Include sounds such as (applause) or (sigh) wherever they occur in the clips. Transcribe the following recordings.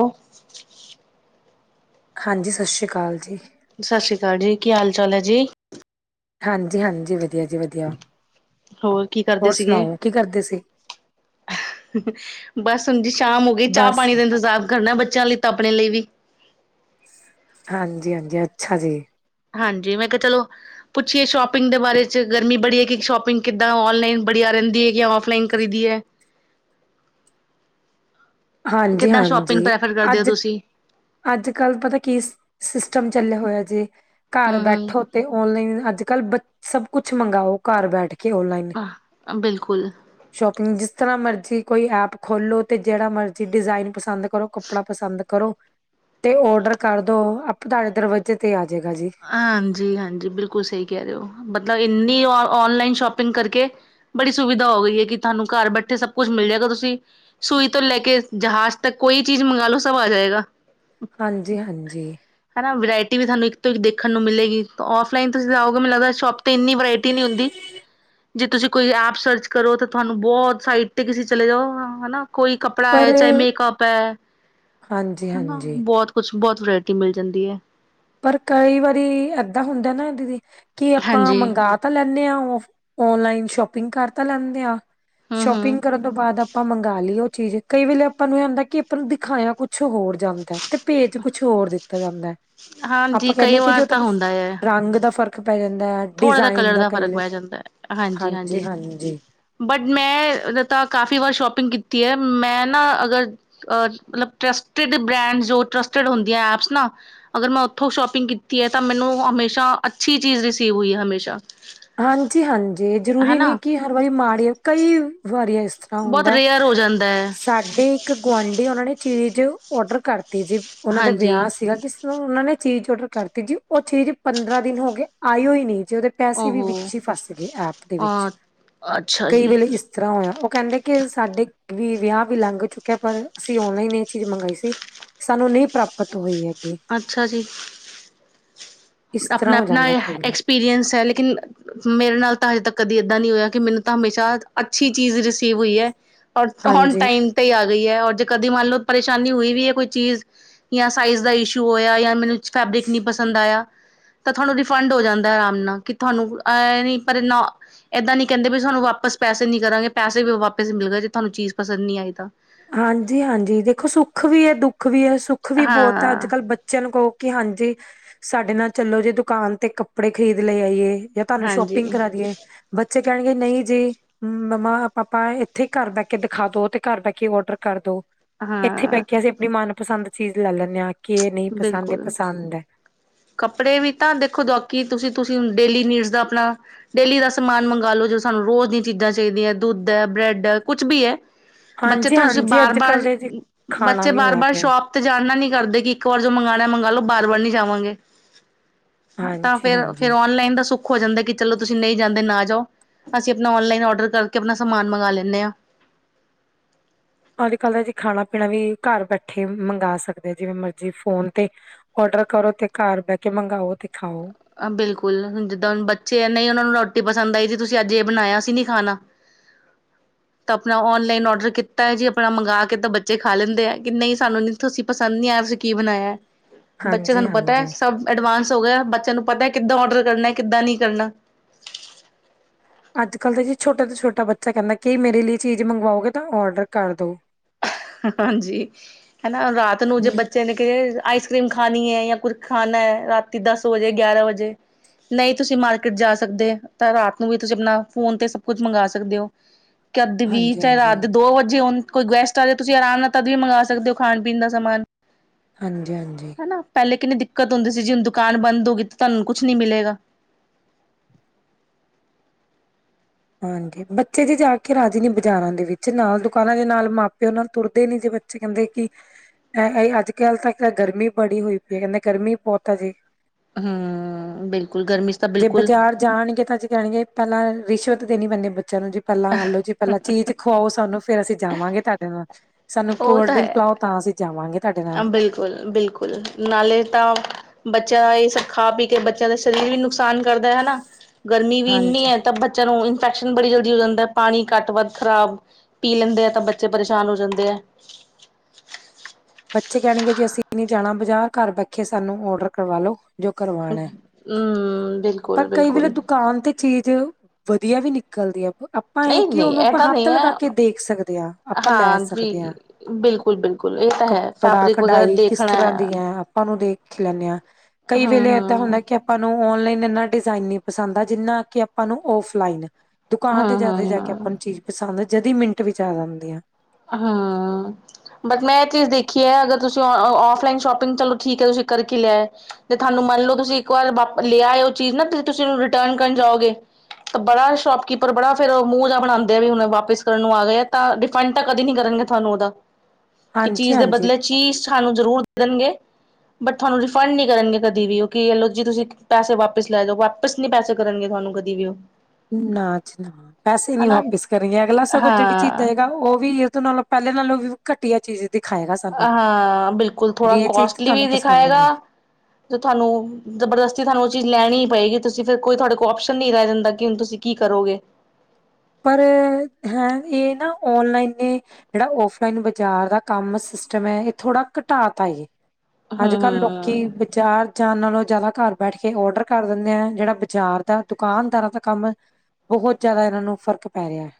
Hello. ਹਾਂਜੀ, ਸਤਿ ਸ਼੍ਰੀ ਅਕਾਲ ਜੀ। ਸਤਿ ਸ੍ਰੀ ਅਕਾਲ ਜੀ, ਕੀ ਹਾਲ ਚਾਲ ਹੈ ਜੀ? ਹਾਂਜੀ-ਹਾਂਜੀ ਵਧੀਆ ਜੀ ਵਧੀਆ। ਹੋਰ ਕੀ ਕਰਦੇ ਹੋਰ ਸੀਗੇ ਸੁਣਾਓ ਕੀ ਕਰਦੇ ਸੀ? ਬਸ ਹੁਣ ਜੀ ਸ਼ਾਮ ਹੋ ਗਈ, ਚਾਹ ਬਸ ਪਾਣੀ ਦਾ ਇੰਤਜ਼ਾਰ ਕਰਨਾ, ਬੱਚਿਆਂ ਲਈ ਤ ਆਪਣੇ ਲਈ ਵੀ ਹਾਂਜੀ-ਹਾਂਜੀ ਅੱਛਾ ਜੀ। ਹਾਂਜੀ ਮੈਂ ਕਿਹਾ ਚਲੋ ਪੁੱਛੀਏ ਸ਼ੋਪਿੰਗ ਦੇ ਬਾਰੇ ਚ, ਗਰਮੀ ਬੜੀ ਹੈ ਕਿ ਸ਼ੋਪਿੰਗ ਕਿੱਦਾਂ ਔਨਲਾਈਨ ਬੜੀਆ ਰਹਿੰਦੀ ਹੈ ਕਿ ਔਫਲਾਈਨ ਕਰੀ ਦੀ ਹੈ? ਕਿੱਦਾਂ ਸ਼ੋਪਿੰਗ ਹਾਂਜੀ-ਹਾਂਜੀ ਪ੍ਰੈਫਰ ਕਰਦੇ ਹੋ ਅੱਜ, ਤੁਸੀਂ ਅੱਜ ਕੱਲ ਪਤਾ ਕੀ ਸਿ ਸਿਸਟਮ ਚੱਲਿਆ ਹੋਇਆ ਜੀ, ਘਰ ਹਮ ਬੈਠੋ ਤੇ ਔਨਲਾਈਨ ਅੱਜ ਕੱਲ ਬ ਸਭ ਕੁਛ ਮੰਗਾਓ, ਘਰ ਬੈਠ ਕੇ ਓਨਲਾਈਨ, ਹਮ ਬਿਲਕੁਲ ਸ਼ੋਪਿੰਗ ਜਿ ਜਿਸ ਤਰ੍ਹਾਂ ਮਰਜ਼ੀ ਕੋਈ ਐਪ ਖੋਲੋ, ਤੇ ਜਿਹੜਾ ਮਰਜ਼ੀ ਡਿਜ਼ਾਇਨ ਪਸੰਦ ਕਰੋ, ਕੱਪੜਾ ਪਸੰਦ ਕਰੋ। ਤੇ ਔਡਰ ਕਰਦੋ, ਆਪੇ ਤੁਹਾਡੇ ਦਰਵਾਜੇ ਤੇ ਆ ਜਾਏਗਾ ਜੀ ਹਾਂਜੀ-ਹਾਂਜੀ ਬਿਲਕੁਲ ਸਹੀ ਕਹਿ ਰਹੇ ਹੋ, ਮਤਲਬ ਇਨ ਔ ਔਨਲਾਈਨ ਸ਼ੋਪਿੰਗ ਕਰਕੇ ਬੜੀ ਸੁਵਿਧਾ ਹੋ ਗਈ ਹੈ, ਕਿ ਤੁਹਾਨੂੰ ਘਰ ਬੈਠੇ ਸਭ ਕੁੱਛ ਮਿਲ ਜਾਏਗਾ ਤੁਸੀਂ ਸੂਈ ਤੋਂ ਲੈ ਕੇ ਜਹਾਜ਼ ਤੱਕ, ਕੋਈ ਚੀਜ਼ ਮੰਗਾ ਲਓ, ਸਭ ਆ ਜਾਏਗਾ। ਹਾਂਜੀ ਹਾਂਜੀ ਹਨਾ, ਵਰਾਇਟੀ ਵੀ ਤੁਹਾਨੂੰ ਇੱਕ ਥੋਨੂੰ ਦੇਖਣ ਨੂੰ ਮਿਲੇਗੀ, ਔਫਲਾਈਨ ਤੁਸੀਂ ਜਾਓਗੇ, ਮੈਨੂੰ ਲੱਗਦਾ ਸ਼ੋਪ ਤੇ ਇੰਨੀ ਵਰਾਇਟੀ ਨਹੀਂ ਹੁੰਦੀ ਜੇ ਤੁਸੀਂ ਕੋਈ ਐਪ ਸਰਚ ਕਰੋ, ਤਾਂ ਤੁਹਾਨੂੰ ਬਹੁਤ ਸਾਈਟ ਤੇ ਕਿਸੇ ਚਲੇ ਜਾਓ ਹਨਾ। ਕੋਈ ਕੱਪੜਾ ਪਰ ਹੈ, ਚਾਹੇ ਮੇਕਅਪ ਹੈ, ਹਾਂਜੀ ਹਨਾ ਹਾਂਜੀ ਬਹੁਤ ਕੁਛ। ਬਹੁਤ ਵਰਾਇਟੀ ਮਿਲ ਜਾਂਦੀ ਹੈ। ਪਰ ਕਈ ਵਾਰੀ ਏਦਾਂ ਹੁੰਦਾ ਨਾ ਦੀਦੀ, ਕਿ ਆਪਾਂ ਹਾਂਜੀ ਮੰਗਾ ਤਾਂ ਲੈ (unintelligible) ਆ ਉਫ ਔਨਲਾਈਨ ਸ਼ੋਪਿੰਗ ਕਰ ਤਾਂ ਲੈਂਦੇ ਆ ਹੂੰ-ਹੂੰ ਸ਼ੋਪਿੰਗ ਕਰਨ ਤੋਂ ਬਾਅਦ ਆਪਾਂ ਮੰਗਾ ਲਈਏ। ਚੀਜ਼ ਕਈ ਵੇਲੇ ਆਪਾਂ ਨੂੰ ਇਹ ਹੁੰਦਾ ਕਿ ਆਪਾਂ ਨੂੰ ਦਿਖਾਇਆ ਕੁਛ ਹੋਰ ਜਾਂਦਾ ਹੈ। ਤੇ ਪੇਜ ਕੁਛ ਹੋਰ ਦਿੱਤਾ ਜਾਂਦਾ ਹੈ। ਹਾਂਜੀ ਆਪਾਂ ਕਹਿੰਦੇ ਕਈ ਹਾਂ ਕਿ ਜੇ ਵਾਰ ਉਹ ਤਾਂ ਰੰਗ ਦਾ ਫ਼ਰਕ ਪੈ ਜਾਂਦਾ ਹੈ ਥੋੜਾ ਜਿਹਾ ਡਿਜ਼ਾਇਨ ਕਲਰ ਦਾ ਕਈ ਫ਼ਰਕ ਵੇਲੇ ਪੈ ਜਾਂਦਾ ਏ, ਹਾਂਜੀ ਹਾਂਜੀ-ਹਾਂਜੀ ਹਾਂਜੀ ਬਟ ਮੈਂ ਉਦੇ ਤਾਂ ਕਾਫ਼ੀ ਵਾਰ ਸ਼ੋਪਿੰਗ ਕੀਤੀ ਹੈ, ਮੈਂ ਨਾ ਅਗਰ ਅ ਮਤਲਬ ਟਰਸਟ ਫਿਰ ਬੀ ਬਰੈਂਡਜ਼ ਜੋ ਟਰੱਸਟਿਡ ਹੁੰਦੀਆਂ ਐਪਸ ਨਾ, ਅਗਰ ਮੈਂ ਉੱਥੋਂ ਸ਼ੋਪਿੰਗ ਕੀਤੀ ਹੈ ਤਾਂ ਮੈਨੂੰ ਹਮੇਸ਼ਾ ਅੱਛੀ ਚੀਜ਼ ਰਿਸੀਵ ਹੋਈ ਹੈ ਹਮੇਸ਼ਾ। ਹਾਂਜੀ-ਹਾਂਜੀ ਜਰੂਰੀ ਨੀ ਹਨਾ ਕਿ ਹਰ ਵਾਰੀ ਮਾੜੀ ਹੈ ਕਈ ਵਾਰੀ ਹੈ ਇਸ ਤ੍ਹਾਂ ਬਹੁਤ ਹੁੰਦਾ ਰੇਅਰ ਹੋ ਜਾਂਦਾ ਹੈ ਸਾਡੇ ਇੱਕ ਗੁਆਂਢੀ ਉਹਨਾਂ ਨੇ ਚੀਜ਼ ਔਡਰ ਕਰ ਤੇ ਜੀ ਉਹਨਾਂ ਦਾ ਹਾਂਜੀ ਵਿਆਹ ਸੀਗਾ ਕਿ ਉਹਨਾਂ ਨੇ ਚੀਜ਼ ਔਡਰ ਕਰਤੀ ਜੀ, ਉਹ ਚੀਜ਼ ਪੰਦਰਾਂ ਦਿਨ ਹੋਗੇ, ਆਇਓ ਹੀ ਨਹੀਂ, ਜੀ ਉਹਦੇ ਪੈਸੇ ਵੀ ਉਹ ਵਿੱਚ ਹੀ ਫਸ ਗਏ, ਐਪ ਦੇ ਵਿੱਚ, ਅੱਛਾ ਕਈ ਜੀ ਵੇਲੇ ਇਸ ਤਰ੍ਹਾਂ ਹੋਇਆ ਕਹਿੰਦੇ ਕਿ ਸਾਡੇ ਵੀ ਵਿਆਹ ਵੀ ਲੰਘ ਚੁੱਕਿਆ, ਪਰ ਅਸੀਂ ਔਨਲਾਈਨ ਇਹ ਚੀਜ਼ ਮੰਗਈ ਸੀ। ਸਾਨੂੰ ਨਹੀਂ ਪ੍ਰਾਪਤ ਹੋਈ ਹੈ। ਅੱਛਾ ਜੀ, ਇਸ ਤਰ੍ਹਾਂ ਹੋ ਆਪਣਾ-ਆਪਣਾ ਜਾਂਦਾ ਕਈ ਵੇਲੇ ਐਕਸਪੀਰੀਅੰਸ ਹੈ ਲੇਕਿਨ ਮੇਰੇ ਨਾਲ ਤਾਂ ਹਜੇ ਤੱਕ ਕਦੀ ਏਦਾਂ ਨਹੀਂ ਹੋਇਆ, ਕਿ ਮੈਨੂੰ ਤਾਂ ਹਮੇਸ਼ਾ ਅੱਛੀ ਚੀਜ਼ ਰਿਸੀਵ ਹੋਈ ਹੈ। ਹੋਰ ਹੁਣ ਹਾਂਜੀ ਟਾਈਮ ਤੇ ਹੀ ਆ ਸਈ ਹੈ, ਹੋਰ ਜੇ ਕਦੀ ਮੰਨ ਲਓ ਪਰੇਸ਼ਾਨੀ ਹੋਈ ਵੀ ਹੈ ਕੋਈ ਚੀਜ਼ ਜਾਂ ਸਾਈਜ਼ ਦਾ ਇਸ਼ੂ ਹੋਇਆ ਜਾਂ ਮੈਨੂੰ ਫੇ ਰਿਕ ਨਹੀਂ ਪਸੰਦ ਆਇਆ ਤਾਂ ਤੁਹਾਨੂੰ ਰਿਫੰਡ ਹੋ ਜਾਂਦਾ ਆਰਾਮ ਨਾਲ, ਕਿ ਤੁਹਾਨੂੰ ਏਹ ਨਹੀਂ ਪਰ ਨਾ, ਇੱਦਾਂ ਨਹੀਂ ਕਹਿੰਦੇ ਵੀ ਸਾਨੂੰ ਵਾਪਸ ਪੈਸੇ ਨੀ ਕਰਾਂਗੇ, ਪੈਸੇ ਵੀ ਵਾਪਿਸ ਮਿਲ ਗਏ, ਜੇ ਤੁਹਾਨੂੰ ਚੀਜ਼ ਪਸਦ ਨਹੀਂ ਆਈ ਤਾਂ। ਹਾਂਜੀ-ਹਾਂਜੀ ਦੇਖੋ ਸੁੱਖ ਵੀ ਹੈ, ਦੁੱਖ ਵੀ ਹੈ, ਸੁੱਖ ਵੀ ਬਹੁਤ ਹੈ ਅੱਜ ਹਾਂ ਕੱਲ੍ਹ, ਬੱਚਿਆਂ ਨੂੰ ਕਹੋ ਕਿ ਹਾਂਜੀ, ਸਾਡੇ ਨਾਲ ਚਲੋ ਜੇ ਦੁਕਾਨ ਤੇ ਕੱਪੜੇ ਖ਼ਰੀਦ ਲੇ ਆਈਏ। ਯਾ ਤੁਹਾਨੂੰ ਹਾਂਜੀ ਸ਼ੋਪਿੰਗ ਕਰਾ ਦੀਏ, ਬੱਚੇ ਕਹਿਣਗੇ ਨਹੀਂ ਜੀ, ਮੰਮਾ ਪਾਪਾ ਇੱਥੇ ਘਰ ਬੈ ਕੇ ਦਿਖਾ ਦੋ, ਤੇ ਘਰ ਬੈ ਕੇ ਕਿ ਓਡਰ ਕਰਦੋ, ਇੱਥੇ ਬਹਿ ਹਾਂ ਕੇ ਅਸੀਂ ਆਪਣੀ ਮਨਪਸੰਦ ਚੀਜ਼ ਲੈ ਲੈਣੇ ਹਾਂ। ਕਿ ਇਹ ਨਹੀਂ ਪਸੰਦ ਇਹ ਬਿਲਕੁਲ, ਪਸੰਦ ਹੈ ਕੱਪੜੇ ਵੀ ਤਾਂ ਦੇਖੋ ਜੋਕੀ ਤੁਸੀਂ, ਤੁਸੀਂ ਹੁਣ ਡੇਲੀ ਨਿਡਸ ਦਾ ਆਪਣਾ ਡੇਲੀ ਦਾ ਸਮਾਨ ਮੰਗਾ ਲਓ ਜੋ ਸਾਨੂੰ ਰੋਜ਼ ਦੀਆਂ ਚੀਜ਼ਾਂ ਚਾਹੀਦੀਆਂ ਦੁੱਧ ਐ ਬ੍ਰੈਡ ਕੁਛ ਵੀ ਹੈ ਬੱਚੇ ਤੁਸੀਂ ਹਾਂਜੀ-ਹਾਂਜੀ ਅੱਜ ਕੱਲ੍ਹ ਬਾਰ-ਬਾਰ ਦੇ ਜੀ ਖਾਣਾ ਬੱਚੇ ਵੀ ਬਾਰ ਹੋਇਆ ਬਾਰ ਪਿਆ ਸ਼ੋਪ ਤੇ ਜਾਣਨਾ ਨੀ ਕਰਦੇ ਕੀ ਜੋ ਮੰਗਉਣਾ ਮੰਗ ਲਓ ਬਾਰ ਵਾਰ ਨੀ ਜਾਵਾਂਗੇ ਤਾਂ ਫਿਰ ਫਿਰ ਹਾਂਜੀ-ਹਾਂਜੀ ਔਨਲਾਈਨ ਦਾ ਸੁੱਕ, ਹੋ ਜਾਂਦਾ ਕਿ ਚਲੋ ਤੁਸੀਂ ਨਹੀਂ ਜਾਂਦੇ ਨਾ ਜਾਓ, ਅਸੀਂ ਆਪਣਾ ਔਨਲਾਈਨ ਡਰ ਕਰਕੇ ਆਪਣਾ ਸਮਾਨ ਮੰਗਵਾ ਲੈਂਨੇ ਆ, ਅੱਜ-ਕੱਲ ਦਾ ਜੀ ਖਾਣਾ ਪੀਣਾ ਵੀ ਘਰ ਬੈਠੇ ਮੰਗਵਾ ਸਕਦੇ ਆ ਜਿਵੇਂ ਮਰਜੀ ਫੋਨ ਤੇ, ਡਰ ਕਰੋ ਤੇ ਘਰ ਬਹਿ ਕੇ ਮੰਗਓ ਤੇ, ਖਾਓ ਬਿਲਕੁਲ ਹੁਣ ਜਿੱਦਾਂ ਹੁਣ ਬੱਚੇ ਨਹੀਂ ਉਹਨਾਂ ਨੂੰ ਰੋਟੀ, ਪਸੰਦ ਆਈ ਜੀ ਤੁਸੀਂ ਅੱਜ ਇਹ ਬਣਾਇਆ ਅਸੀ ਨੀ ਖਾਣਾ ਤਾਂ ਆਪਣਾ ਔਨਲਾਈਨ ਔਡਰ ਕੀਤਾ ਜੀ ਆਪਣਾ ਮੰਗਾ ਕੇ ਤਾਂ ਬੱਚੇ ਖਾ ਲੈਂਦੇ ਆ ਕਿ ਨਹੀਂ ਸਾਨੂੰ ਤੁਸੀਂ ਪਸੰਦ ਨਹੀਂ ਕੀ ਬਣਾਇਆ ਬੱਚੇ ਹਾਂਜੀ ਤੁਹਾਨੂੰ ਪਤਾ ਹੈ ਹਾਂਜੀ ਸਭ ਐਡਵਾਂਸ ਹੋ ਗਿਆ ਬੱਚਿਆਂ ਨੂੰ ਪਤਾ ਕਿੱਦਾਂ ਔਡਰ ਕਰਨਾ ਕਿੱਦਾਂ ਨਹੀਂ ਕਰਨਾ, ਅੱਜ-ਕੱਲ ਜੀ ਛੋਟਾ ਤੋਂ ਛੋਟਾ ਬੱਚਾ ਕਹਿੰਦਾ ਕਿ ਮੇਰੇ ਲਈ ਚੀਜ਼ ਮੰਗਵਾਓਗੇ ਤਾਂ ਔਡਰ ਕਰ ਦੋ ਹਾਂਜੀ ਹੈਲੋ ਰਾਤ ਨੂੰ ਜੇ ਹਾਂਜੀ ਬੱਚੇ ਨੇ ਕਿਹਾ ਆਈਸਕ੍ਰੀਮ ਖਾਣੀ ਹੈ। ਕੁੁਰ ਖਾਨਾ ਹੈ ਰਾਤੀ ਦਸ ਵਜੇ ਗਿਆਰਾਂ ਵਜੇ, ਨਹੀਂ ਤੁਸੀਂ ਮਾਰਕੀਟ ਜਾ ਸਕਦੇ ਤਾਂ ਰਾਤ ਨੂੰ ਵੀ ਤੁਸੀਂ ਆਪਣਾ ਫੋਨ ਤੇ ਸਭ ਕੁਛ ਮੰਗਵਾ ਸਕਦੇ ਹੋ। ਕਦ ਵੀ ਹਾਂਜੀ ਚਾਹੇ ਰਾਤ ਹਾਂਜੀ ਦੇ ਦੋ ਵਜੇ ਹੋਣ ਕੋਈ ਗੈਸਟ ਆਵੇ ਤੁਸੀਂ ਆਰਾਮ ਨਾਲ ਤਦ ਵੀ ਮੰਗਵਾ ਸਕਦੇ ਹੋ ਖਾਣ ਪੀਣ ਦਾ ਸਮਾਨ, ਹਾਂਜੀ-ਹਾਂਜੀ, ਹਨਾ ਪਹਿਲੇ ਕਿੰਨੀ ਦਿੱਕਤ ਹੁੰਦੀ ਸੀ ਜੀ ਦੁਕਾਨ ਬੰਦ ਹੋ ਗਈ ਤਾਂ ਤੁਹਾਨੂੰ ਕੁੱਛ ਨੀ ਮਿਲੇਗਾ। ਹਾਂਜੀ ਬੱਚੇ ਜੀ ਜਾ ਕੇ ਰਾਜੀ ਨੇ ਬਾਜ਼ਾਰਾਂ ਦੇ ਵਿੱਚ ਨਾਲ ਦੁਕਾਨਾਂ ਦੇ ਨਾਲ ਮਾਪਿਓ ਨਾਲ ਤੁਰਦੇ ਨੀ ਜੇ ਬੱਚੇ ਕਹਿੰਦੇ ਕਿ, ਅੱਜ-ਕੱਲ੍ਹ ਤਾਂ ਗਰਮੀ ਬੜੀ ਹੋਈ ਪਈ ਹੈ ਕਹਿੰਦੇ ਗਰਮੀ ਬਹੁਤ ਆ ਜੀ, ਹੂੰ ਬਿਲਕੁਲ ਗਰਮੀ 'ਚ ਤਾਂ ਜੇ ਬਿਲਕੁਲ ਬਾਜ਼ਾਰ ਜਾਣਗੇ ਤਾਂ ਜੇ ਕਹਿਣਗੇ ਪਹਿਲਾਂ ਰਿਸ਼ਵਤ ਦੇ ਨੀ ਪੈਂਦੇ ਬੱਚਿਆਂ ਨੂੰ ਜੀ ਪਹਿਲਾਂ ਆਲੋ ਜੀ ਪਹਿਲਾਂ ਚੀਜ਼ ਖੁਵਾਓ ਸਾਨੂੰ ਫੇਰ ਅਸੀਂ ਜਾਵਾਂਗੇ ਤੁਹਾਡੇ ਨਾਲ ਸਾਨੂੰ ਉਹ ਕੋਲਡ ਤਾਂ ਡਰਿੰਕ ਹੈ ਪਾਓ ਤਾਂ ਅਸੀਂ ਜਾਵਾਂਗੇ। ਤੁਹਾਡੇ ਨਾਲ ਬਿਲਕੁਲ-ਬਿਲਕੁਲ ਨਾਲੇ ਤਾਂ ਬੱਚਿਆਂ ਦਾ, ਸ ਖਾ ਪੀ ਕੇ ਬੱਚਿਆਂ ਦਾ ਸਰੀਰ ਵੀ ਨੁਕਸਾਨ ਕਰਦਾ ਹਨਾ ਗਰਮੀ ਵੀ ਇੰਨੀ ਹਾਂਜੀ ਹੈ ਤਾਂ ਬੱਚਿਆਂ ਨੂੰ, ਇਫੈਕਸ਼ਨ ਬੜੀ ਜਲਦੀ ਹੋ ਜਾਂਦਾ ਪਾਣੀ ਘੱਟ ਵੱਧ ਖ਼ਰਾਬ ਪੀ ਲੈਂਦੇ ਆ ਤਾਂ ਬੱਚੇ ਪਰੇਸ਼ਾਨ ਹੋ ਜਾਂਦੇ ਹੈ। (unintelligible) ਬੱਚੇ ਕਹਿਣਗੇ ਜੇ ਅਸੀਂ ਨਹੀਂੀ ਜਾਣਾ ਬਜ਼ਾਰ ਘਰ ਬੈਠੇ ਸਾਨੂੰ ਔਡਰ ਕਰਵਾਲੋ, ਜੋ ਕਰਵਾਉਣਾ ਹੈ ਹੂੰ ਪਰ ਕਈ ਬਿਲਕੁਲ-ਬਿਲਕੁਲ ਵੇਲੇ ਦੁਕਾਨ ਤੇ ਚੀਜ਼, ਵਧੀਆ ਵੀ ਨਿਕਲਦੀ ਆ, ਆਪਾਂ ਇਹ ਕਿ ਨਹੀਂ-ਨਹੀਂ ਉਹਨੂੰ ਇਹ ਆਪਾਂ ਤਾਂ ਨਹੀਂ ਹੱਥ ਹੈ। ਲਗਾ ਕੇ ਦੇਖ ਸਕਦੇ ਹਾਂ ਆਪਾਂ ਲੈ ਹਾਂ ਸਕਦੇ ਹਾਂ, ਜੀ ਬਿਲਕੁਲ-ਬਿਲਕੁਲ ਇਹ ਤਾਂ ਹੈ ਕੱਪੜਾ ਫੈਬਰਿਕ ਵਗੈਰਾ ਕਢਾਈ ਕਿਸ ਤਰ੍ਹਾਂ ਦੇਖਣਾ ਦੀ ਹੈ ਆਪਾਂ ਨੂੰ ਦੇਖ, ਰੱਖ ਲੈਂਦੇ ਹਾਂ ਕਈ ਵੇਲੇ ਏਦਾਂ ਹਾਂ-ਹਾਂ, ਹੁੰਦਾ ਕਿ ਆਪਾਂ ਨੂੰ ਔਨਲਾਈਨ ਇਨਾ, ਡਿਜ਼ਾਇਨ ਨੀ ਪਸੰਦ ਆ ਜਿੰਨਾ ਕਿ ਆਪਾਂ ਨੂੰ ਔਫਲਾਈਨ ਦੁਕਾਨ ਤੇ ਜਾ ਕੇ ਹਾਂ-ਹਾਂ, ਆਪਾਂ ਨੂੰ ਚੀਜ਼ ਪਸੰਦ, ਜਦੀ ਮਿੰਟ ਵਿੱਚ ਆ ਜਾਂਦੀ ਆ। ਹੂੰ, ਬਟ ਮੈਂ ਇਹ ਚੀਜ਼ ਦੇਖੀ ਹੈ ਅਗਰ ਤੁਸੀਂ ਔਫਲਾਈਨ ਸ਼ੋਪਿੰਗ ਚਲੋ ਠੀਕ ਹੈ ਤੁਸੀਂ ਕਰਕੇ ਲਿਆ ਤੇ ਤੁਹਾਨੂੰ ਮੰਨ ਲਓ ਤੁਸੀਂ ਇੱਕ ਵਾਰ ਲਿਆ ਉਹ ਚੀਜ਼ ਨਾ ਤੇ ਤੁਸੀਂ ਉਹਨੂੰ ਰਿਟਰਨ ਕਰਨ ਜਾਓਗੇ। ਤੇ ਬੜਾ ਸ਼ੋਪਕੀਪਰ ਬੜਾ ਫੇਰ ਉਹ ਮੂੰਹ ਜਿਹਾ ਬਣਾਉਂਦੇ ਆ ਵੀ ਹੁਣ ਵਾਪਿਸ ਕਰਨ ਨੂੰ ਆ ਗਏ ਆ ਤਾਂ ਰਿਫੰਡ ਤਾਂ ਕਦੇ ਨਹੀਂ ਕਰਨਗੇ ਤੁਹਾਨੂੰ ਉਹਦਾ ਕਿ ਹਾਂਜੀ ਚੀਜ਼ ਦੇ ਹਾਂਜੀ ਬਦਲੇ ਚੀਜ਼ ਸਾਨੂੰ ਜ਼ਰੂਰ ਦੇ ਦੇਣਗੇ। ਬਟ ਤੁਹਾਨੂੰ ਰਿਫੰਡ ਨੀ ਕਰਨਗੇ ਕਦੇ ਵੀ ਜੀ ਤੁਸੀਂ ਪੈਸੇ ਵਾਪਿਸ ਲੈ ਜਾਓ ਵਾਪਿਸ ਨਹੀਂ ਪੈਸੇ ਕਰਨਗੇ। ਤੁਹਾਨੂੰ ਕਦੀ ਵੀ ਨਾ ਨਾ ਪੈਸੇ ਨੀ ਹਨਾ ਵਾਪਿਸ ਕਰੇਗੇ ਅਗਲਾ ਸਗੋਂ ਜਿਹੜੀ ਚੀਜ਼ਾਂ ਹਾਂ ਹੈਗਾ ਉਹ ਵੀ, ਵੀਰ ਤੋਂ ਨਾਲੋਂ ਪਹਿਲੇ ਨਾਲੋਂ ਵੀ ਘਟੀਆ ਚੀਜ਼, ਦਿਖਾਏਗਾ ਸਾਨੂੰ ਹਾਂ ਬਿਲਕੁਲ ਥੋੜਾ ਵੀ ਇਹ ਚੀਜ਼ ਤਾਂ ਕੋਸਟਲੀ ਵੀ ਤੁਹਾਨੂੰ ਪਸੰਦ ਦਿਖਾਏਗਾ। ਨਹੀਂ ਤੇ ਤੁਹਾਨੂੰ ਜਬਰਦਸਤੀ ਤੁਹਾਨੂੰ ਉਹ ਚੀਜ਼ ਲੈਣੀ, ਪਏਗੀ ਤੁਸੀਂ ਫਿਰ ਕੋਈ ਤੁਹਾਡੇ ਕੋਲ ਓਸ਼ਨ ਨੀ ਰਹਿ ਜਾਂਦਾ ਕਿ ਹੁਣ ਤੁਸੀਂ ਕੀ ਕਰੋਗੇ। ਪਰ ਹੈ ਇਹ ਨਾ ਔਨਲਾਈਨ ਜਿਹੜਾ ਔਫਲਾਈਨ ਬਾਜ਼ਾਰ ਦਾ ਕੰਮ ਸੀ। ਸਿਸਟਮ ਹੈ ਇਹ ਥੋੜਾ ਘਟਾਤ ਆਈਏ ਹੂੰ ਅੱਜ-ਕੱਲ੍ਹ ਲੋਕੀ ਹੂੰ ਵਿਚਾਰ ਜਾਣ ਨਾਲੋਂ, ਜਿਆਦਾ ਘਰ ਬੈਠ ਕੇ ਔਡਰ ਕਰ ਦਿੰਦੇ ਆ ਜਿਹੜਾ ਬਾਜ਼ਾਰ ਦਾ ਦੁਕਾਨਦਾਰਾਂ ਦਾ ਕੰਮ, ਉਹ ਬਹੁਤ ਜਿਆਦਾ ਇਹਨਾਂ ਨੂੰ ਫ਼ਰਕ ਪੈ ਰਿਹਾ ਹੈ।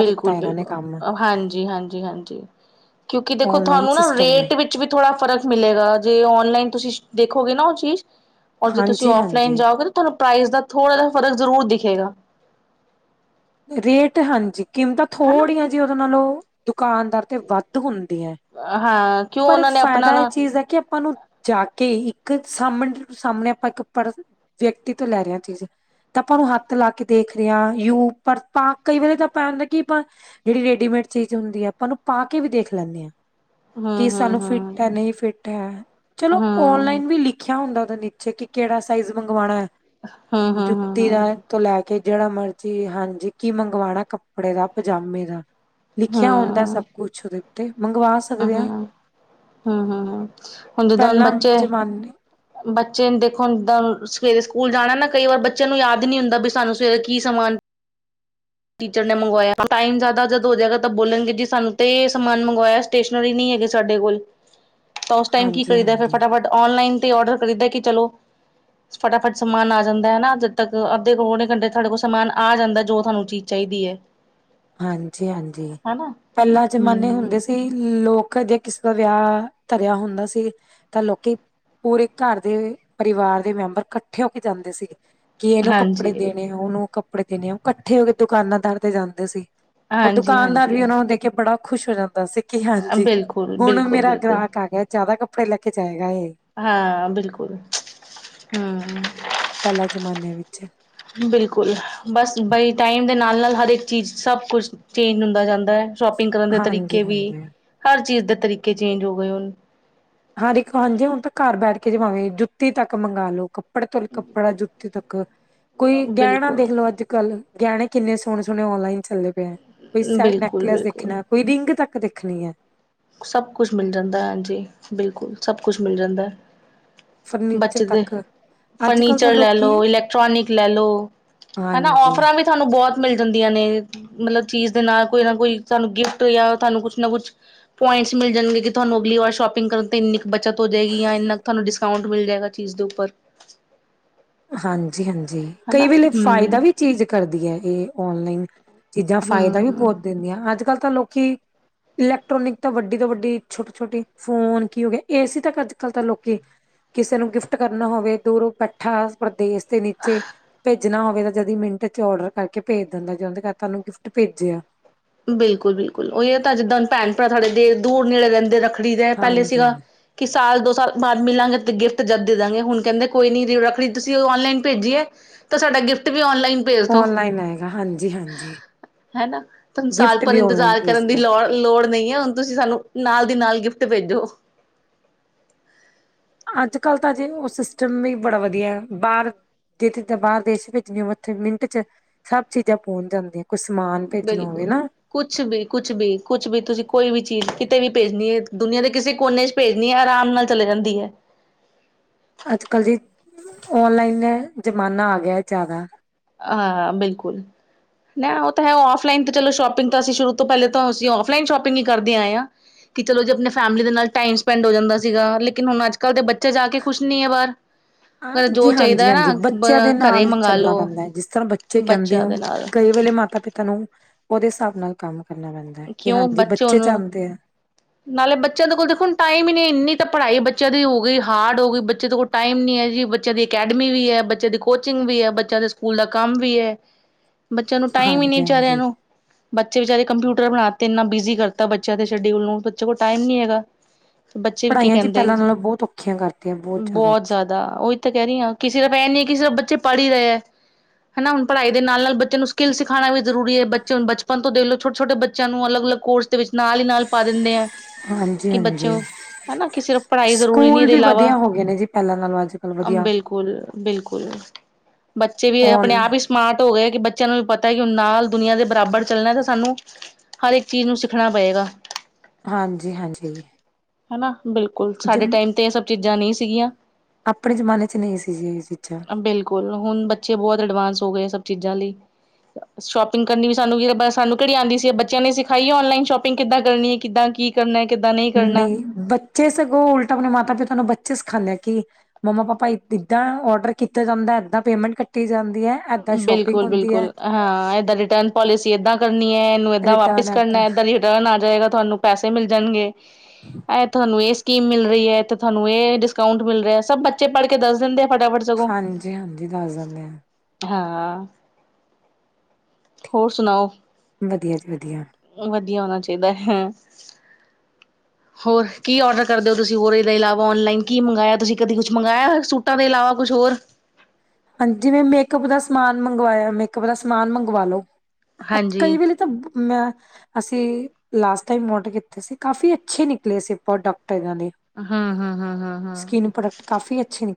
ਬਿਲਕੁਲ-ਬਿਲਕੁਲ ਹਾਂਜੀ-ਹਾਂਜੀ-ਹਾਂਜੀ, ਕਿਉਂਕਿ ਦੇਖੋ ਔਨਲਾਈਨ ਤੁਹਾਨੂੰ ਨਾ ਸਿਸਟਮ ਨੇ। ਰੇਟ ਵਿੱਚ ਵੀ ਥੋੜਾ ਫ਼ਰਕ ਮਿਲੇਗਾ ਜੇ ਔਨਲਾਈਨ ਤੁਸੀਂ ਦੇ, ਦੇਖੋਗੇ ਨਾ ਉਹ ਚੀਜ਼, ਹੁਣ ਜੇ ਤੁਸੀਂ ਔਫਲਾਈਨ ਹਾਂਜੀ-ਹਾਂਜੀ, ਜਾਓਗੇ ਤੁਹਾਨੂੰ ਪ੍ਰਾਈਜ਼ ਦਾ ਥੋੜ੍ਹਾ ਜਾ ਫਰਕ ਜ਼ਰੂਰ ਦਿਖੇਗਾ। ਰੇਟ ਹਾਂਜੀ ਕੀਮਤਾਂ ਹਨਾ ਥੋੜ੍ਹੀਆਂ ਜੀ ਉਹੋਂ ਨਾਲੋਂ, ਦੁਕਾਨਦਾਰ ਤੇ ਵੱਧ ਹੁੰਦੀ ਹੈ, ਹਾਂ ਕਿਉਂ ਪਰ ਉਹਨਾਂ ਨੇ ਆਪਣਾ ਫਾਇਦਾ ਇਹ ਨਾ ਚੀਜ਼ ਹੈ ਕਿ ਆਪਾਂ ਨੂੰ, ਜਾ ਕੇ ਇੱਕ ਸਮਣੇ ਸਾਹਮਣੇ ਆਪਾਂ ਇੱਕ ਪਰ ਵਿਅਕਤੀ ਤੋਂ ਲੈ ਰਹੇ ਹਾਂ ਚੀਜ਼, ਤਾਂ ਆਪਾਂ ਨੂੰ ਹੱਥ ਲਾ ਕੇ ਦੇਖ ਰਹੇ ਹਾਂ ਯੂ ਪਰ ਆਪਾਂ ਕਈ ਵੇਲੇ ਤਾਂ ਆਪਾਂ ਹੁੰਦਾ ਆਪਾਂ ਜਿਹੜੀ ਰੇਡੀਮੇਡ, ਚੀਜ਼ ਹੁੰਦੀ ਹੈ ਆਪਾਂ ਉਹਨੂੰ ਪਾ ਕੇ ਵੀ ਦੇਖ ਲੈਂਦੇ ਹਾਂ। ਹੂੰ ਕਿ ਹੂੰ ਸਾਨੂੰ ਹੂੰ ਫਿੱਟ ਹੈ ਨਹੀਂ ਫਿੱਟ ਹੈ ਹੂੰ ਚਲੋ ਹੂੰ ਔਨਲਾਈਨ ਵੀ ਲਿਖਿਆ ਹੁੰਦਾ। ਨੀਚੇ ਕਿ ਕਿਹੜਾ ਸਾਈਜ਼ ਮੰਗਵਾਉਣਾ ਹੈ ਹੂੰ ਹੂੰ ਜੁੱਤੀ ਦਾ ਹੂੰ ਤੋਂ ਲੈ ਕੇ ਜਿਹੜਾ ਮਰਜੀ ਹਾਂਜੀ ਕੀ ਮੰਗਵਾਣਾ ਕੱਪੜੇ ਦਾ ਪਜਾਮੇ ਦਾ ਲਿਖਿਆ ਹੁੰਦਾ ਹੂੰ ਸਭ ਕੁਛ ਉਹਦੇ ਉੱਤੇ ਮੰਗਵਾ ਸਕਦੇ ਹਾਂ। ਹਾਂ-ਹਾਂ, ਹੁਣ ਜਦੋਂ ਹੁਣ ਪਹਿਲਾਂ ਬੱਚੇ ਜਮਾਨੇ ਬੱਚੇ ਦੇਖੋਦਾਂ ਸਵੇਰੇ ਸਕੂਲ ਜਾਣਾ ਨਾ ਕਈ ਵਾਰ ਬੱਚਿਆਂ ਨੂੰ ਯਾਦ ਨੀ ਹੁੰਦਾ ਵੀ ਸਾਨੂੰ ਸਵੇਰੇ ਕੀ ਸਮਾਨ, ਟੀਚਰ ਨੇ ਮੰਗਵਾਇਆ ਟਾਈਮ ਜ਼ਿਆਦਾ ਜਦ ਹੋ ਜਾਏਗਾ ਤਾਂ ਬੋਲਣਗੇ ਜੀ ਸਾਨੂੰ ਤੇ ਸਮਾਨ ਮੰਗਵਾਇਆ ਸਟੇਸ਼ਨਰੀ ਨਹੀਂ, ਹੈਗੇ ਸਾਡੇ ਕੋਲ ਤਾਂ ਉਸ ਟਾਈਮ ਕੀ ਕਰੀਦਾ ਫਿਰ ਹਾਂਜੀ-ਹਾਂਜੀ, ਫਟਾਫਟ ਔਨਲਾਈਨ ਔਡਰ ਖਰੀਦਾ ਕਿ ਚਲੋ। ਫਟਾਫਟ ਸਮਾਨ ਆ ਜਾਂਦਾ ਹਨਾ ਜਦ ਤੱਕ ਅੱਧੇ ਕੋਲ ਸਮਾਨ ਆ ਜਾਦਾ ਹਨਾ ਅੰਧੇ ਘੰਟੇ ਚ ਤੁਹਾਡੇ ਕੋਲ ਸਮਾਨ ਆ ਜਾਂਦਾ ਜੋ ਤੁਹਾਨੂੰ ਚੀਜ਼ ਚਾਹੀਦੀ ਹੈ। ਹਾਂਜੀ-ਹਾਂਜੀ ਹਨਾ ਪਹਿਲਾਂ ਜ਼ਮਾਨੇ ਹੂੰ, ਹੁੰਦੇ ਸੀ ਲੋਕ ਜੇ ਕਿਸੇ ਦਾ ਵਿਆਹ ਧਰਿਆ ਹੁੰਦਾ ਸੀ ਤਾਂ ਲੋਕੀ ਪੂਰੇ ਘਰ ਦੇ ਪਰਿਵਾਰ ਦੇ ਮੈਂਬਰ ਇਕੱਠੇ ਹੋ ਕੇ ਜਾਂਦੇ ਸੀਗੇ ਕਿ ਇਹਨੂੰ ਕੱਪੜੇ ਹਾਂਜੀ, ਦੇਣੇ ਆ ਉਹਨੂੰ ਕੱਪੜੇ ਦੇਣੇ ਆ ਉਹ ਇਕੱਠੇ ਹੋ ਕੇ ਦੁਕਾਨਾਂਦਾਰ ਤੇ ਜਾਂਦੇ ਸੀ। ੳਹ ਦੁਕਾਨਦਾਰ ਹਾਂਜੀ-ਹਾਂਜੀ ਵੀ ਉਹਨਾ ਨੂੰ ਦੇਖ ਕੇ ਬੜਾ ਖੁਸ਼ ਹੋ ਜਾਂਦਾ ਸੀ ਕਿ ਹਾਂਜੀ ਬਿਲਕੁਲ, ਹੁਣ ਬਿਲਕੁਲ, ਮੇਰਾ ਬਿਲਕੁਲ। ਗ੍ਰਾਹਕ ਆ ਗਿਆ ਜਿਆਦਾ ਕੱਪੜੇ ਲੈ ਕੇ ਜਾਇਗ- ਹਾਂ ਬਿਲਕੁਲ ਹੂੰ, ਪਹਿਲਾਂ ਜ਼ਮਾਨੇ ਵਿੱਚ ਬਿਲਕੁਲ ਬਸ ਬਈ ਟਾਈਮ ਦੇ ਨਾਲ-ਨਾਲ ਹਰੇਕ ਚੀਜ਼ ਸਭ ਕੁਛ ਚੇਂਜ ਹੁੰਦਾ ਜਾਂਦਾ। ਸ਼ੋਪਿੰਗ ਕਰਨ ਦੇ ਤਰੀਕੇ ਵੀ ਹਾਂਜੀ-ਹਾਂਜੀ। ਹਰ ਚੀਜ਼ ਦੇ ਤਰੀਕੇ ਚੇਂਜ ਹੋ ਗਏ ਉਹ ਹਾਂ ਹਾਂਜੀ ਹੁਣ ਤਾਂ ਘਰ ਬੈਠ ਕੇ ਜਮਵੇ ਜੁੱਤੀ ਤੱਕ ਮੰਗਾ ਲਓ ਕੱਪੜ ਕੱਪੜੇ ਤੋਂ ਕੱਪੜਾ ਜੁੱਤੀ ਤੱਕ ਕੋਈ ਗਹਿਣਾ ਬਿਲਕੁਲ ਦੇਖਲੋ ਅੱਜ-ਕੱਲ ਗਹਿਣੇ ਕਿੰਨੇ ਸੋਹਣੇ-ਸੋਹਣੇ ਔਨਲਾਈਨ ਚੱਲੇ ਪਏ ਹੈ ਕੋਈ ਬਿਲਕੁਲ ਨੈਕਲਸ ਬਿਲਕੁਲ ਦੇਖਣਾ ਕੋਈ ਰਿੰਗ ਤੱਕ ਦੇਖਣੀ ਐ। ਸਭ ਕੁਛ ਮਿਲ ਜਾਂਦਾ ਹਾਂਜੀ ਬਿਲਕੁਲ ਸਭ ਕੁਛ ਮਿਲ ਜਾਂਦਾ ਹੈ। ਫਰਨੀਚਰ ਬੱਚੇ ਦੇ ਤੱਕ ਅੱਜ ਕੱਲ੍ਹ ਤਾਂ ਫਰਨੀਚਰ ਲੈ ਲੋਕੀ ਲਓ ਇਲੈਕਟ੍ਰੋਨਿਕ ਲੈ ਲੋ ਹਨਾ ਹਾਂਜੀ ਔਫਰਾਂ ਵੀ ਤੁਹਾਨੂੰ ਬਹੁਤ ਮਿਲ ਜਾਂਦੀਆਂ ਨੇ ਮਤਲਬ ਚੀਜ਼ ਦੇ ਨਾਲ ਕੋਈ ਨਾ ਕੋਈ ਸਾਨੂੰ ਗਿਫਟ ਜਾਂ ਤੁਹਾਨੂੰ ਕੁਛ ਨਾ ਕੁਛ ਪੁਆਇੰਟਸ ਮਿਲ ਜਾਣਗੇ ਕਿ ਤੁਹਾਨੂੰ ਅਗਲੀ ਵਾਰ ਸ਼ੋਪਿੰਗ ਕਰਨ ਤੋਂ ਐਨੀ ਬੱਚਤ ਹੋ ਜਾਏਗੀ ਜਾਂ ਇੰਨਾ ਤੁਹਾਨੂੰ ਡਿਸ ਸਾਊਂਡ ਮਿਲ ਜਾਏਗਾ ਚੀਜ਼ ਦੇ ਉੱਪਰ ਹਾਂਜੀ-ਹਾਂਜੀ ਕਈ ਹਨਾ ਵੇਲੇ ਫਾਇਦਾ ਹੂੰ ਵੀ ਚੀਜ਼ ਕਰਦੀ ਹੈ ਇਹ ਔਨਲਾਈਨ ਚੀਜ਼ਾਂ ਫਾਇਦਾ ਵੀ ਹੂੰ ਬਹੁਤ ਦਿੰਦੀਆਂ ਅੱਜ ਕੱਲ੍ਹ ਤਾਂ ਲੋਕੀ ਇਲੈਕਟ੍ਰੋਨਿਕ ਤਾਂ ਵੱਡੀ ਤੋਂ ਵੱਡੀ ਛੋਟੀ-ਛੋਟੀ ਫੋਨ ਕੀ ਹੋ ਗਿਆ ਏਸੀ ਤੱਕ ਅੱਜ ਕੱਲ੍ਹ ਤਾਂ ਲੋਕੀ ਕਿਸੇ ਨੂੰ ਗਿਫਟ ਕਰਨਾ ਹੋਵੇ ਦੂਰੋਂ ਪੈਠਾ ਪ੍ਰਦੇਸ਼ ਦੇ ਨੀਚੇ ਭੇਜ ਨਾ ਹੋਵੇ ਤਾਂ ਜਦੀ ਮਿੰਟ ਚ ਓਡਰ ਕਰਕੇ ਭੇਜ ਦਿੰਦਾ ਜਦ ਤੁਹਾਨੂੰ ਗਿਫਟ ਭੇਜਿਆ ਬਿਲਕੁਲ-ਬਿਲਕੁਲ ੳਹੀ ੳਹ ਤਾਂ ਜਿੱਦਾਂ ਭੈਣ ਭਰਾ ਸਾਡੇ ਦੂਰ ਨੇੜੇ ਰਹਿੰਦੇ ਰੱਖ ਖਰੀਦਿਆ ਪਹਿਲੇ ਹਾਂਜੀ ਸੀਗਾ ਹਾਂਜੀ ਕਿ ਸਾਲ ਦੋ ਸਾਲ ਬਾਅਦ ਮਿਲਾਂਗੇ ਤੇ ਗਿਫਟ ਜਦ ਦੇ ਦਾਂਗੇ ਹੁਨ ਕਹਿੰਦੇ ਕੋਈ ਨੀ ਰਖੜੀ ਤੁਸੀਂ ੳਹ ਆਨਲਾਈਨ ਭੇਜੀਏ ਤਾਂ ਸਾਡਾ ਗਿਫਟ ਵੀ ਆਨਲਾਈਨ ਭੇਜ ਦੋ ਔਨਲਾਈਨ ਆਏਗਾ ਹਾਂਜੀ ਹਾਂਜੀ ਸਾਲ ਗਿਫਟ ਭਰ ਵੀ ਔਨਲਾਈਨ ਇੰਤਜ਼ਾਰ ਕਰਨ ਦੀ ਭੇਜਦਾ ਲੋੜ-ਲੋੜ ਨਈ ਏ ਹੁਨ ਤੁਸੀਂ ਸਾਨੂੰ ਨਾਲ ਦੀ ਨਾਲ ਗਿਫਟ ਭੇਜੋ ਅੱਜ ਕੱਲ੍ਹ ਤਾਂ ਜੀ ਉਹ ਸਿਸਟਮ ਵੀ ਬੜਾ ਵਧੀਆ ਬਾਰ ਜਿੱਥ ਬਾਰ ਦੇਸ਼ ਭੇਜਣੀ ਹੋ ਉੱਥੇ ਮਿੰਟ ਚ ਸਭ ਚੀਜ਼ਾਂ ਪਹੁੰਚ ਜਾਂਦੀਆਂ ਕੋਈ ਸਮਾਨ ਭੇਜਣਾ ਹੋਵੇ ਬਿਲਕੁਲ ਨਾ ਕੁਛ ਵੀ-ਕੁਛ ਵੀ-ਕੁਛ ਵੀ ਤੁਸੀਂ ਕੋਈ ਵੀ ਚੀਜ਼ ਕਿਤੇ ਵੀ ਭੇਜਣੀ ਹੈ ਦੁਨੀਆਂ ਦੇ ਕਿਸੇ ਕੋਨੇ ਚ ਭੇਜਣੀ ਹੈ ਆਰਾਮ ਨਾਲ ਚਲੇ ਜਾਂਦੀ ਏ ਅੱਜ ਕੱਲ ਜੀ ਔਨਲਾਈਨ ਦਾ ਜ਼ਮਾਨਾ ਆ ਗਿਆ ਜ਼ਿਆਦਾ ਹਾਂ ਹਾਂ ਬਿਲਕੁਲ ਨਾ ਉਹ ਤਾਂ ਹੈ ਆਫਲਾਈਨ ਚਲੋ ਸ਼ੋਪਿੰਗ ਤਾਂ ਅਸੀਂ ਸ਼ੁਰੂ ਤੋਂ ਪਹਿਲਾਂ ਤੋਂ ਅਸੀਂ ਆਫਲਾਈਨ ਸ਼ੋਪਿੰਗ ਈ ਕਰਦੇ ਆਏ ਆ ਕਿ ਚਲੋ ਜੀ ਅਪਨੇ ਫੈਮਲੀ ਦੇ ਨਾਲ ਟਾਈਮ ਸਪੈਂਡ ਹੋ ਜਾਂਦਾ ਸੀਗਾ ਲੇਕਿਨ ਹੁਨ ਅੱਜ ਕੱਲ੍ਹ ਦੇ ਬੱਚੇ ਬੱਚਾ ਜਾ ਕੇ ਖੁਸ਼ ਨੀ ਏ ਬਾਹਰ ਜੋ ਹਾਂਜੀ ਚਾਹੀਦਾ ਹਾਂਜੀ ਏ ਹਾਂਜੀ ਨਾ ਬੱਚਿਆਂ ਦੇ ਘਰੇ ਹੀ ਨਾਲ ਮੰਗਾ ਚੱਲਣਾ ਲੋ ਪੈਂਦਾ ਹੈ ਜਿਸ ਤਰ੍ਹਾਂ ਬੱਚੇ ਕਹਿੰਦੇ ਬੱਚਿਆਂ ਦੇ ੳ ਨਾਲ। ਕਈ ਵੇਲੇ ਮਾਤਾ ਪਿਤਾ ਨੂੰ ਉਹਦੇ ਹਿਸਾਬ ਨਾਲ ਕੰਮ ਕਰਨਾ ਪੈਂਦਾ ਹੈ ਕਿ ਕਿਉਂ ਹਾਂਜੀ ਬੱਚੇ ਨੂੰ ਚਾਹੁੰਦੇ ਆ ਨਾਲੇ ਬੱਚਿਆਂ ਦੇ ਕੋਲ ਦੇਖੋ ਹੁਨ ਟਾਈਮ ਈ ਨਹੀਂ ਇੰਨੀ ਤਾਂ ਪੜ੍ਹਾਈ ਬੱਚੇ ਬੱਚਿਆਂ ਦੀ ਹੋ ਗਈ ਹਾਰਡ ਹੋ ਗਈ ਬੱਚੇ ਦੇ ਕੋਲ ਟਾਈਮ ਨੀ ਏ ਜੀ ਬੱਚਿਆਂ ਦੀ ਅਕੈਡਮੀ ਵੀ ਏ ਬੱਚਿਆਂ ਦੀ ਕੋਚਿੰਗ ਵੀ ਏ ਬੱਚਾ ਸਕੂਲ ਦਾ ਕੰਮ ਵੀ ਏ ਬੱਚਿਆਂ ਨੂੰ ਟਾਈਮ ਈ ਨੀ ਹਾਂਜੀ ਵਿਚਾਰਿਆਂ ਹਾਂਜੀ ਨੂੰ ਬੱਚੇ ਵਿਚਾਰੇ ਕੰਪਿਊ ਟਰ ਬਣਾ ਤੇ ਇੰਨਾ ਬਿਜ਼ੀ ਕਰਤਾ ਬੱਚਿਆਂ ਦੇ ਸ਼ਡਿਊਲ ਨੂੰ ਬੱਚੇ ਕੋਲ ਟਾਈਮ ਨੀ ਹੈਗਾ ਬੱਚੇ ਵੀ ਕੀ ਪੜ੍ਹਾਈਆਂ ਜੀ ਕਹਿੰਦੇ ਪਹਿਲਾਂ ਨਾਲੋਂ ਬਹੁਤ ਔਖੀਆਂ ਕਰਤੀਆਂ ਬਹੁਤ ਔਖੀਆਂ ਜ਼ਿਆਦਾ ਉਈ ਤੇ ਕਹਿ ਰਹੀ ਹਾਂ ਕਿਸੇ ਤਰ੍ਹਾਂ ਇਹ ਨੀ ਕਿਸੇ ਤਰ੍ਹਾਂ ਬੱਚੇ ਪੜ੍ਹ ਈ ਰਹੇ ਏ ਹੈਨਾ ਹੁਣ ਪੜ੍ਹਾਈ ਦੇ ਨਾਲ ਬੱਚ ਨੂੰ ਸਕਿੱਲ ਸਖਾਨਾ ਵੀ ਜਰੂਰੀ ਏ ਬੱਚੇ ਹੁਣ ਬਚਪਨ ਤੋਂ ਦੇਖ ਲੋ ਛੋਟੇ-ਛੋਟੇ ਬੱਚੇ ਬੱਚਿਆਂ ਨੂੰ ਅਲੱਗ--ਅਲੱਗ ਕੋਰਸ ਦੇ ਵਿੱਚ ਨਾਲ ਈ ਨਾਲ ਪਾ ਦਿੰਨੇ ਆ ਕਿ ਹਾਂਜੀ-ਹਾਂਜੀ ਬੱਚੋਂ ਹਨਾ ਕਿ ਸਿਰਫ਼ ਪੜ੍ਹਾਈ ਜ਼ਰੂਰੀ ਨਹੀਂ ਇਹਦੇ ਇਲਾਵਾ ਹੋ ਗਏ ਨੇ ਜੀ ਪਹਿਲਾਂ ਨਾਲੋਂ ਅੱਜ ਕੱਲ ਵਧੀਆ ਬਿਲਕੁਲ-ਬਿਲਕੁਲ ਬੱਚੇ ਵੀ ਔਨ ਆਪਣੇ ਆਪ ਹੀ ਸਮਾਰਟ ਹੋਇਆ ਕਿ ਬੱਚਿਆਂ ਨੂੰ ਵੀ ਪਤਾ ਕਿ ਨਾਲ ਦੁਨੀਆਂ ਦੇ ਬਰਾਬਰ ਚੱਲਣਾ ਤੇ ਸਾਨੂੰ ਹਰ ਇੱਕ ਚੀਜ਼ ਨੂੰ ਸਿੱਖਣਾ ਪਏਗਾ ਹਾਂਜੀ ਹਾਂਜੀ ਹਨਾ ਬਿਲਕੁਲ ਜ ਸਾਡੇ ਟਾਈਮ ਤੇ ਇਹ ਸਭ ਚੀਜ਼ਾਂ ਨਹੀਂ ਸੀਗੀਆਂ। ਆਪਣੇ ਜਮਾਨੇ ਚ ਨਹੀਂ ਸੀ ਜੀ ਇਹ ਚੀਜ਼ਾਂ ਬਿਲਕੁਲ ਹੁਨ ਬੱਚੇ ਬਹੁਤ ਅਡਵਾਂਸ ਹੋ ਗਏ ਸਭ ਚੀਜ਼ਾਂ ਲਈ ਸ਼ੋਪਿੰਗ ਕਰਨੀ ਵੀ ਸਾਨੂੰ ਵੀ ਸਾਨੂੰ ਕਿਹੜੀ ਆਂਂਦੀ ਸੀ ਬੱਚਿਆਂ ਨੇ ਸਿਖਾਈ ਔਨਲਾਈਨ ਸ਼ੋਪਿੰਗ ਕਿੱਦਾਂ ਕਰਨੀ ਏ ਕਿੱਦਾਂ ਕੀ ਕਰਨਾ ਕਿੱਦਾਂ ਨਹੀਂ (inaudible) ਕਰਨਾ ਸਿਖਾਨੇ ਆ ਕਿ ਮੰਮਾ ਪਾਪਾ ਏਦਾਂ ਔਡਰ ਕੀਤਾ ਜਾਂਦਾ ਏਦਾਂ ਪੇਮੈਂਟ ਕੱਟੀ ਜਾਂਦੀ ਹੈ ਏਦਾਂ ਸ਼ੋਪਿੰਗ ਬਿਲਕੁਲ ਹੁੰਦੀ ਹੈ ਬਿਲਕੁਲ ਹਾਂ ਇਹ ਤਾ ਰਿਟਰਨ ਪੋਲਿਸੀ ਏਦਾਂ ਕਰਨੀ ਏ ਇਹਨੂੰ ਏਦਾਂ ਰਿਟਰਨ ਵਾਪਸ ਏਦਾਂ ਕਰਨਾ ਰਿਟਰਨ ਆ ਜਾਏਗਾ ਤੁਹਾਨੂੰ ਪੈਸੇ ਮਿਲ ਜਾਨਗੇ ਇਹ ਤੁਹਾਨੂੰ ਸਕੀਮ ਮਿਲ ਰਹੀ ਏ ਇਥੇ ਤੁਹਾਨੂੰ ਇਹ ਡਿਸਕਾਊਂਟ ਮਿਲ ਰਿਹਾ ਸਭ ਬੱਚੇ ਪੜ੍ਹ ਕੇ ਦੱਸ ਦਿੰਦੇ ਫਟਾਫਟ ਸਗੋਂ। ਹਾਂਜੀ ਹਾਂਜੀ ਦੱਸ ਦਿੰਨੇ ਆ ਹਾਂ ਹੋਰ ਸੁਨਾਓ ਵਧੀਆ ਜੀ ਵਧੀਆ ਹੋਰ ਵਧੀਆ ਹੋਨਾ ਚਾਹੀਦਾ ਹੈ ਹੋਰ ਕੀ ਔਡਰ ਕਰਦੇ ਹੋ ਤੁਸੀਂ ਹੋਰ ਇਹਦੇ ਇਲਾਵਾ ਔਨਲਾਈਨ ਕੀ ਮੰਗਇਆ ਤੁਸੀਂ ਕਦੇ ਕੁਛ ਮੰਗਾਇਆ ਸੂਟਾਂ ਦੇ ਇਲਾਵਾ ਕੁਸ਼ ਹੋਰ ਹ (inaudible) ਹਾਂਜੀ ਜਿਵੇਂ ਮੇਕਅਪ ਦਾ ਸਮਾਨ ਮੰਗਵਾਇਆ ਮੇਕਅਪ ਦਾ ਸਮਾਨ ਮੰਗਵਾ ਲੋ ਆ ਹਾਂਜੀ ਕਈ ਵੇਲੇ ਤਾਂ ਮੈਂ ਅਸੀਂ ਲਾਸਟ ਟਾਈਮ ੳਡਰ ਕੀਤੇ ਸੀ ਕਾਫੀ ਅੱਛੇ ਨਿਕਲੇ ਸੀ ਪ੍ਰੋਡਕਟ ਹੂੰ-ਹੂੰ-ਹੂੰ-ਹੂੰ-ਹੂੰ। ਸਕਿਨ ਪ੍ਰੋਡਕਟ ਕਾਫੀ ਅੱਛੇ ਨ